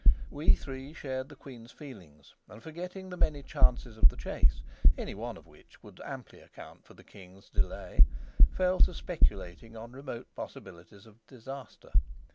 We three shared the queen's feelings, and forgetting the many chances of the chase, any one of which would amply account for the king's delay, fell to speculating on remote possibilities of disaster.